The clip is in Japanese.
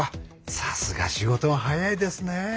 さすが仕事が早いですね。